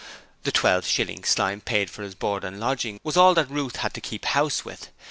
The twelve shillings Slyme paid for his board and lodging was all that Ruth had to keep house with.